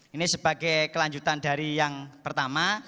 ini sebagai kelanjutan dari yang pertama